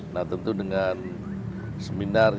nah tentu dengan seminar